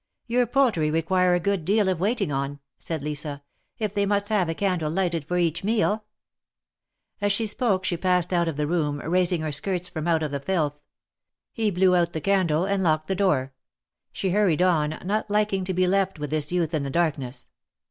Your poultry require a good deal of waiting on," said Lisa, if they must have a candle lighted for each meal." As she spoke she passed out of the room, raising her skirts from out of the filth. He blew out the candle, and locked the door. She hurried on, not liking to be left with this youth in the darkness.